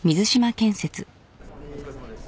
・お疲れさまです。